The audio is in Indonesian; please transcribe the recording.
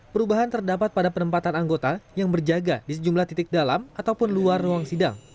perubahan terdapat pada penempatan anggota yang berjaga di sejumlah titik dalam ataupun luar ruang sidang